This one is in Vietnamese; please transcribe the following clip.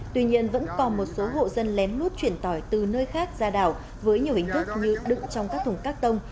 tuy nhiên vẫn còn một số hộ dân lén lút chuyển tỏi từ nơi khác ra đảo với nhiều hình thức như đựng trong các thùng cắt tông